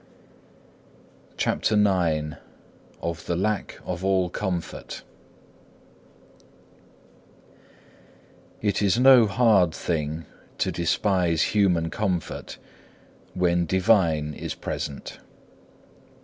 (1) John xi. 28. CHAPTER IX Of the lack of all comfort It is no hard thing to despise human comfort when divine is present.